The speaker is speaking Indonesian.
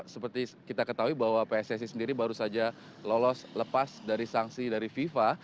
seperti kita ketahui bahwa pssi sendiri baru saja lolos lepas dari sanksi dari fifa